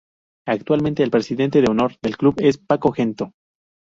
Actualmente el presidente de honor del club es Paco Gento.